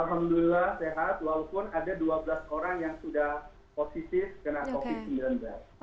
alhamdulillah sehat walaupun ada dua belas orang yang sudah positif kena covid sembilan belas